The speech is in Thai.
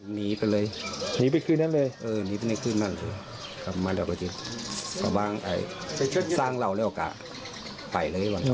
หนีไปเลยหนีไปขึ้นนั่นเลย